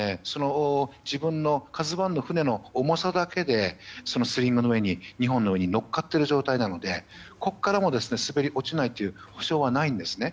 今は「ＫＡＺＵ１」の船の重さだけでスリングの上に２本の上に乗っかっている状態なのでここからもう滑り落ちないという保証はないんですね。